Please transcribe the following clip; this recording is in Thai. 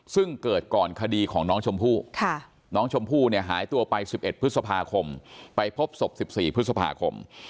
ซึ่งเกิดก่อนคดีของน้องชมพู่น้องชมพู่เนี่ยหายตัวไป๑๑พฤษภาคมไปพบศพ๑๔พฤษภาคม